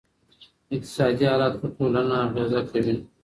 اقتصادي حالت په ټولنه اغېزه کوي.